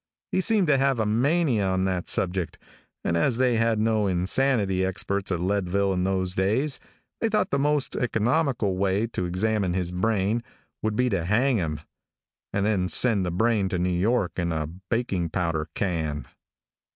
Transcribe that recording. He seemed to have a mania on that subject, and as they had no insanity experts at Leadville in those days, they thought the most economical way to examine his brain would be to hang him, and then send the brain to New York in a baking powder can.